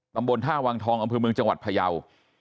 ตำบลท่าวังทองอำเภอเมืองจังหวัดพยาว